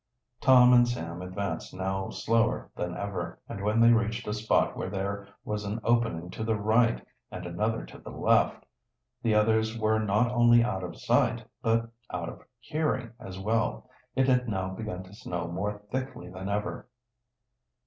Tom and Sam advanced now slower than ever, and when they reached a spot where there was an opening to the right and another to the left, the others were not only out of sight, but out of hearing as well. It had now begun to snow more thickly than ever.